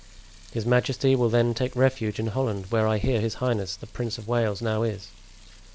"His majesty will then take refuge in Holland, where I hear his highness the Prince of Wales now is."